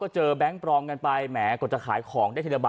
ชัทสวายถ่ายเที่ยวนะครับ